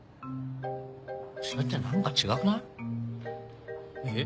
それって何か違くない？え？